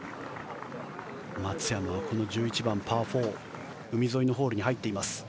松山はこの１１番、パー４海沿いのホールに入っています。